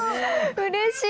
うれしい！